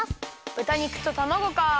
ぶた肉とたまごか。